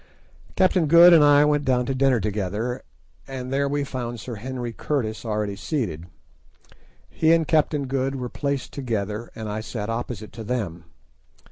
Captain Good and I went down to dinner together, and there we found Sir Henry Curtis already seated. He and Captain Good were placed together, and I sat opposite to them.